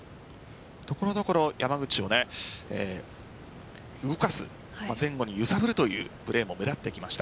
所々、山口も動かす、前後に揺さぶるというプレーも目立ってきました。